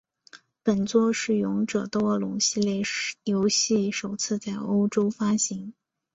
本作是勇者斗恶龙系列游戏首次在欧洲发行。